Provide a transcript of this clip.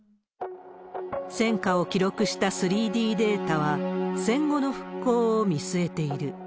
戦禍を記録した３Ｄデータは、戦後の復興を見据えている。